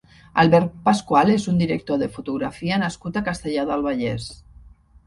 Albert Pascual és un director de fotografia nascut a Castellar del Vallès.